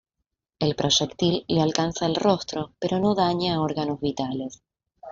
El proyectil le alcanza el rostro, pero no daña órganos vitales.